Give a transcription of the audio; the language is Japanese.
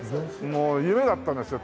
もう夢だったんですよ